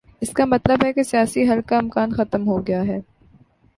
اس کا مطلب ہے کہ سیاسی حل کا امکان ختم ہو گیا ہے۔